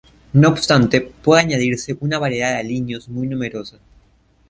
No obstante puede añadirse una variedad de aliños muy numerosa.